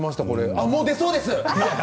あ、もう出そうです。